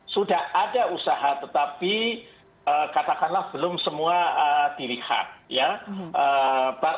sudah ada usaha tetapi katakanlah belum semua dilihat ya